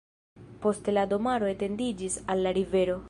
Poste la domaro etendiĝis al la rivero.